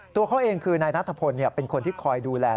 ตัวเขาเองคือนายนัทพลเป็นคนที่คอยดูแล